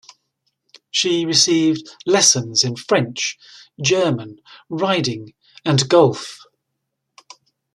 She received lessons in French, German, riding and golf.